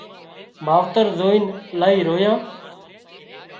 ماوتر زوئينَ الاهي رويان